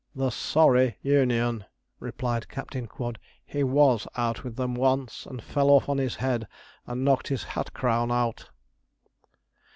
'The Sorry Union,' replied Captain Quod. 'He was out with them once, and fell off on his head and knocked his hat crown out.'